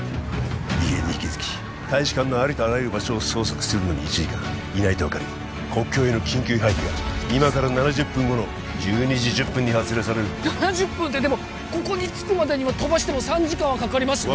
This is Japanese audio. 異変に気づき大使館のありとあらゆる場所を捜索するのに１時間いないと分かり国境への緊急配備が今から７０分後の１２時１０分に発令される７０分ってでもここに着くまでには飛ばしても３時間はかかりますよね